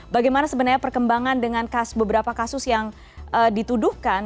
bagaimana sebenarnya perkembangan dengan beberapa kasus yang dituduhkan